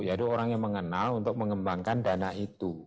jadi orang yang mengenal untuk mengembangkan dana itu